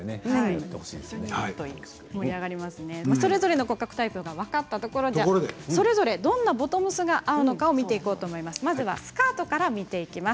それぞれの骨格タイプが分かったところでそれぞれどんなボトムスが合うのか見ていきます。